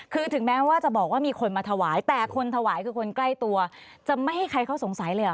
คือถึงแม้ว่าจะบอกว่ามีคนมาถวายแต่คนถวายคือคนใกล้ตัวจะไม่ให้ใครเขาสงสัยเลยเหรอ